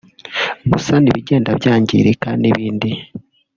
gusana ibigenda byangirika n’ibindi